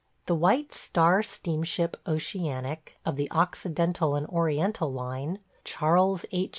The White Star steamship Oceanic, of the Occidental and Oriental line – Charles H.